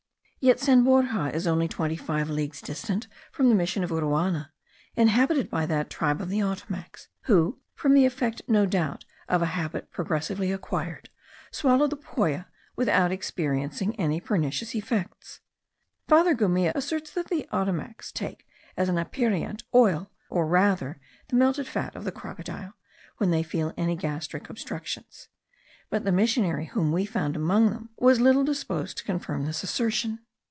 Yet San Borja is only twenty five leagues distant from the mission of Uruana, inhabited by that tribe of the Ottomacs, who, from the effect no doubt of a habit progressively acquired, swallow the poya without experiencing any pernicious effects. Father Gumilla asserts that the Ottomacs take as an aperient, oil, or rather the melted fat of the crocodile, when they feel any gastric obstructions; but the missionary whom we found among them was little disposed to confirm this assertion.